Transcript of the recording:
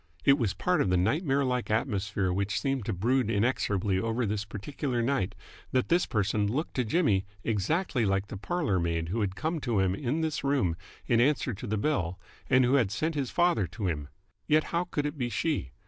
It was part of the nightmare like atmosphere which seemed to brood inexorably over this particular night that this person looked to Jimmy exactly like the parlour maid who had come to him in this room in answer to the bell and who had sent his father to him. Yet how could it be she?